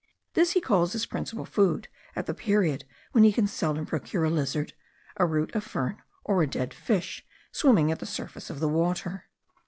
This he calls his principal food at the period when he can seldom procure a lizard, a root of fern, or a dead fish swimming at the surface of the water.